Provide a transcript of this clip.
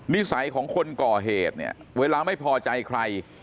นิสัยของคนก่อเหตุเนี่ยเวลาไม่พอใจใคร